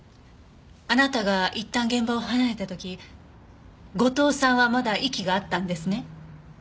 あなたがいったん現場を離れた時後藤さんはまだ息があったんですね？